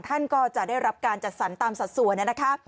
ท่านก็จะได้รับการจัดสรรตามสัดส่วนนะคะ